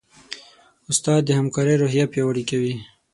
استاد د همکارۍ روحیه پیاوړې کوي.